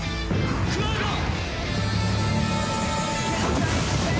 クワゴン！